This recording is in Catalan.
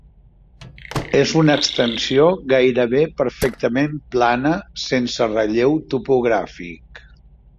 És una extensió gairebé perfectament plana sense relleu topogràfic.